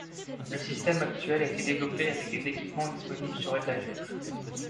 Le système actuel a été développé avec des équipements disponibles sur étagère.